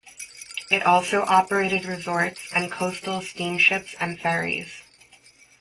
It also operated resorts and coastal steamships and ferries.